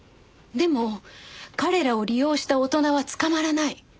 でも彼らを利用した大人は捕まらない。